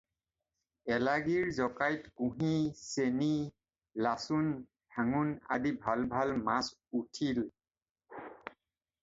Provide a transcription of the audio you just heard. এলাগীৰ জকাইত কুঢ়ি, চেনি, লাচোন, ভাঙোন অদি ভাল ভাল মাছ উঠিল।